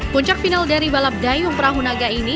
puncak final dari balap dayung perahu naga ini